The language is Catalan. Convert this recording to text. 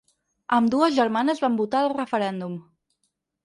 Ambdues germanes van votar al referèndum.